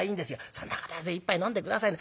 『そんなこと言わず一杯飲んで下さいな』。